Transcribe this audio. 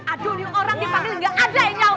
aduh ini orang dipanggil gak ada yang nyau